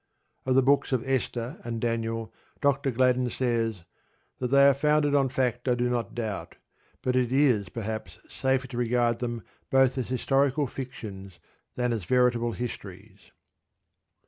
Of the Books of Esther and Daniel, Dr. Gladden says: "That they are founded on fact I do not doubt; but it is, perhaps, safer to regard them both rather as historical fictions than as veritable histories."